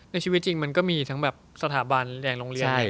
ในชีวิตมันก็มีทั้งสถาบันทุกเรื่องโรงเรียน